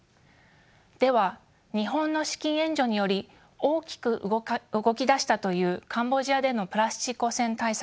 では日本の資金援助により大きく動き出したというカンボジアでのプラスチック汚染対策。